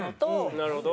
なるほど。